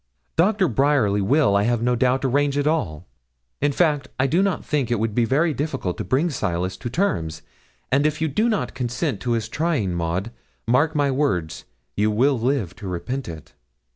'Doctor Bryerly will, I have no doubt, arrange it all. In fact, I do not think it would be very difficult to bring Silas to terms; and if you do not consent to his trying, Maud, mark my words, you will live to repent it.'